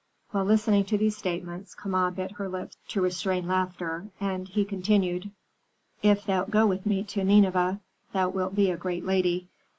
While listening to these statements Kama bit her lips to restrain laughter; and he continued, "If thou go with me to Nineveh, thou wilt be a great lady.